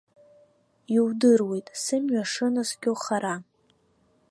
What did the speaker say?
Иудыруеит сымҩа шынаскьо хара.